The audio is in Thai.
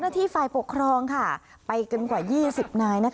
นักโรคครองค่ะไปกันกว่า๒๐นาย